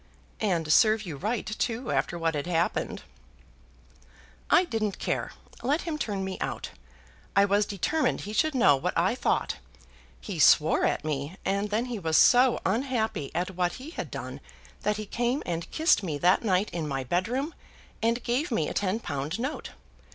"And serve you right too after what had happened." "I didn't care. Let him turn me out. I was determined he should know what I thought. He swore at me; and then he was so unhappy at what he had done that he came and kissed me that night in my bedroom, and gave me a ten pound note.